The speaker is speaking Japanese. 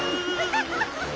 ハハハハハ！